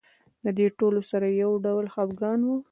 د دې ټولو سره یو ډول خپګان و.